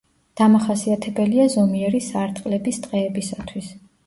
დამახასიათებელია ზომიერი სარტყლების ტყეებისათვის.